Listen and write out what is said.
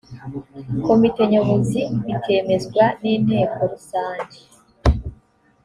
komite nyobozi bikemezwa n inteko rusange